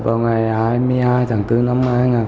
vào ngày hai mươi hai tháng bốn năm hai nghìn một mươi bảy